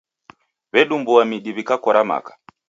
W'edumbua midi w'ikakora maka.